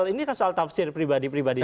ini kan soal tafsir pribadi pribadi saja